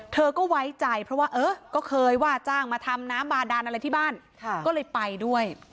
เธอก็ไว้ใจเพราะว่าเออก็เคยว่าจ้างมาทำน้ำบาดานอะไรที่บ้านก็เลยไปด้วย